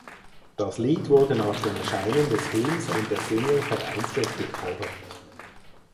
Das Lied wurde nach dem Erscheinen des Film und der Single vereinzelt gecovert.